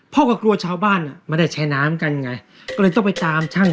พ่อก็กลัวชาวบ้านอ่ะไม่ได้ใช้น้ำกันไงก็เลยต้องไปตามช่าง